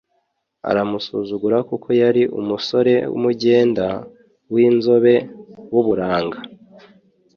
aramusuzugura kuko yari umusore w’umugenda, w’inzobe w’uburanga.